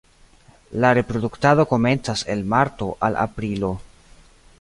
La reproduktado komencas el marto al aprilo.